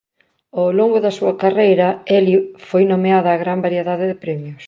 Ao longo da súa carreira Ellie foi nomeada a gran variedade de premios.